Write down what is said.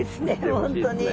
本当に。